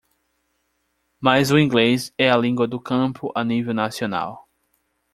Mas o inglês é a língua do campo a nível nacional.